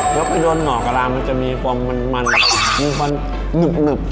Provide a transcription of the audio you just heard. แล้วไปโดนหน่อกะลามันจะมีความมันมีความหนึบ